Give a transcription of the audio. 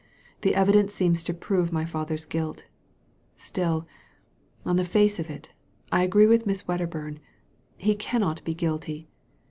"The evidence seems to prove my father's guilt Still, on the face of it, I agree with Miss Wedderburn ; he cannot be guilty.